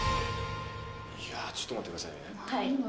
いや、ちょっと待ってくださいね。